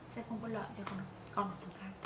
sẽ không có lợi cho con và tụi ta